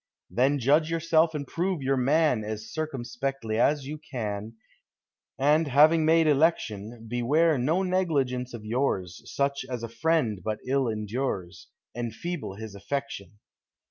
Then judge yourself and prove your man As circumspectly as you can, And, having made election, Beware no negligence of yours, Such as a friend but ill endures, Enfeeble his affection.